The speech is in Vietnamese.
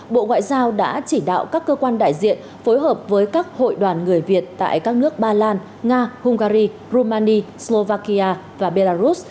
bộ ngoại giao đã chỉ đạo các cơ quan đại diện phối hợp với các hội đoàn người việt tại các nước ba lan nga hungary rumani slovakia và belarus